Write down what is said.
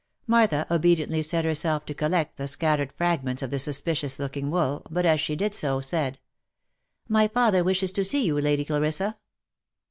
Martha obediently set herself to collect the scattered fragments of the suspicious looking wool, but as she did so, said, " My father wishes to see you, Lady Clarissa."